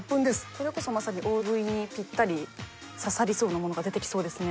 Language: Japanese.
これこそまさに大食いにぴったり刺さりそうなものが出てきそうですね。